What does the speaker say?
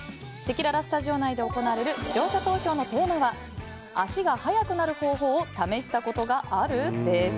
せきららスタジオ内で行われる視聴者投票のテーマは足が速くなる方法を試したことがある？です。